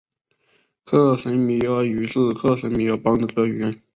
克什米尔语是克什米尔邦的主要语言。